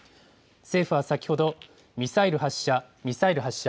政府は先ほど、ミサイル発射、ミサイル発射。